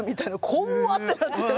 「こわっ」ってなって。